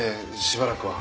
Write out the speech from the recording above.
しばらくは。